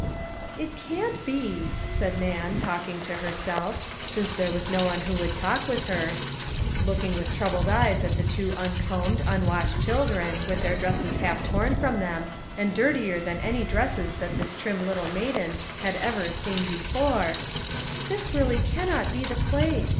"It can't be," said Nan, talking to herself, since there was no one who would talk with her, looking with troubled eyes at the two uncombed, unwashed children, with their dresses half torn from them, and dirtier than any dresses that this trim little maiden had ever seen before, " this really cannot be the place